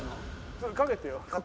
それかけてよ。